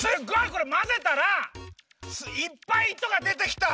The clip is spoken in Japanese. これまぜたらいっぱいいとがでてきた。